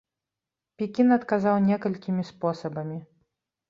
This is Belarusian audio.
Пекін адказаў некалькімі спосабамі.